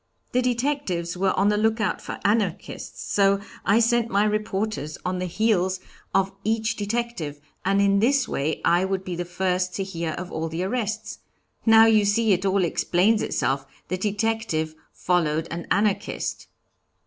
'The detectives were on the lookout for Anarchists, so I sent my reporters on the heels of each detective, and in this way I would be the first to hear of all the arrests. Now, you see, it all explains itself; the detective followed an Anarchist.'"